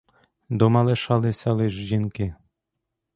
Дома лишалися лиш жінки.